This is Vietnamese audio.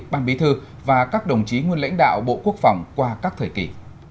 ban bí thư và các đồng chí nguyên lãnh đạo bộ quốc phòng qua các thời kỳ